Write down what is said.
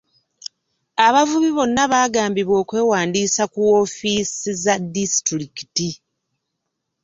Abavubi bonna baagambidwa okwewandiisa ku woofiisi za disitulikiti.